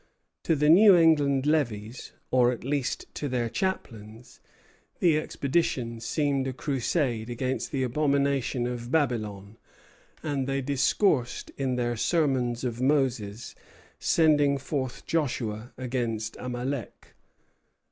To the New England levies, or at least to their chaplains, the expedition seemed a crusade against the abomination of Babylon; and they discoursed in their sermons of Moses sending forth Joshua against Amalek.